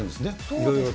いろいろと。